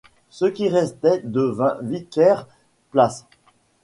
Ce qui restait devint Vickers plc.